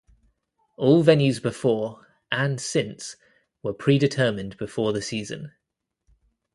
All venues before, and since, were predetermined before the season.